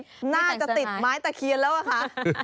ทำไมน่าจะติดไม้ตะเขียนแล้วอ่ะคะ